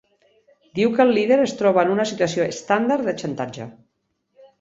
Diu que el líder es troba en una situació estàndard de xantatge.